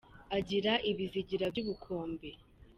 Agira ibizigira by’ubukombe